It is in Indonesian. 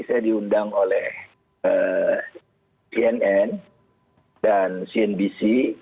beberapa kali saya diundang oleh cnn dan cnbc